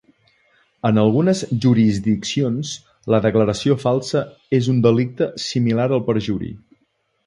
En algunes jurisdiccions, la declaració falsa és un delicte similar al perjuri.